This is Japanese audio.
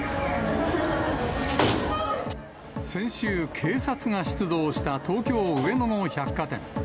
先週、警察が出動した東京・上野の百貨店。